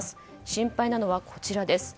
心配なのはこちらです。